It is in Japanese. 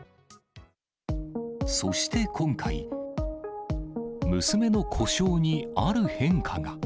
そして今回、娘の呼称に、ある変化が。